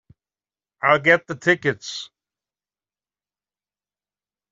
I'll get the tickets.